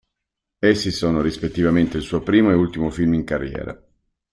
Essi sono rispettivamente il suo primo e ultimo film in carriera.